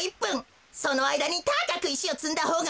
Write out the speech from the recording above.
そのあいだにたかくいしをつんだほうがかちです！